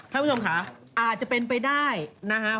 ท่านผู้ชมค่ะอาจจะเป็นไปได้นะฮะ